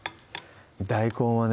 大根はね